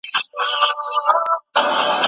پخوا خلکو په ډېرو ساده کورونو کي ژوند کاوه.